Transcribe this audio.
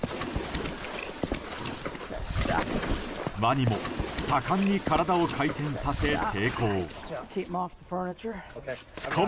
ワニも盛んに体を回転させ抵抗。